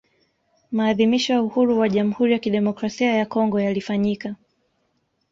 Maadhimisho ya uhuru wa Jamhuri ya Kidemokrasia ya Kongo yalifanyika